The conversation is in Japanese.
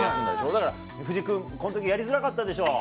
だから藤木君この時やりづらかったでしょ。